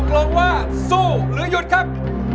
ตรงว่าสู้หรือหยุดครับ